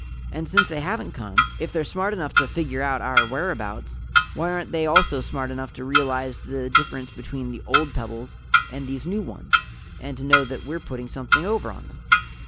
And since they haven't come, if they're smart enough to figure out our whereabouts why aren't they also smart enough to realize the difference between the old pebbles and these new ones, and to know that we're putting something over on them?"